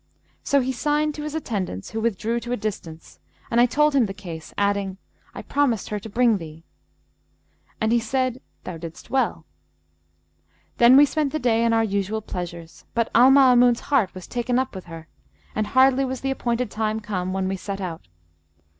So he signed to his attendants, who withdrew to a distance, and I told him the case, adding, 'I promised her to bring thee,' and he said, 'Thou didst well.' Then we spent the day in our usual pleasures, but Al Maamun's heart was taken up with her, and hardly was the appointed time come, when we set out.